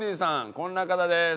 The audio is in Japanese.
こんな方です。